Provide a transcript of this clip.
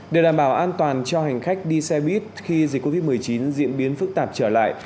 để đảm bảo an toàn cho hành khách đi xe buýt khi dịch covid một mươi chín diễn biến phức tạp trở lại